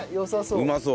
うまそう。